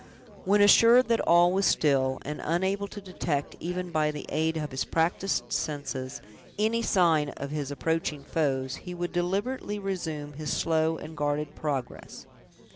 When assured that all was still, and unable to detect, even by the aid of his practiced senses, any sign of his approaching foes, he would deliberately resume his slow and guarded progress.